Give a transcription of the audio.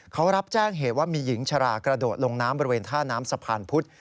เขารับแจ้งเหตุว่ามีหญิงชรากระโดดลงน้ำบริเวณท่าน้ำสะพานพุธ